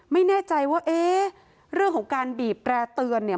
ไม่แน่ใจว่าเอ๊ะเรื่องของการบีบแร่เตือนเนี่ย